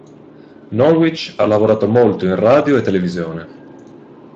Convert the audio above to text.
Norwich ha lavorato molto in radio e televisione.